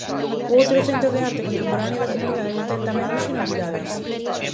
O outro centro de arte contemporánea da comunidade ten tamén hoxe novidades.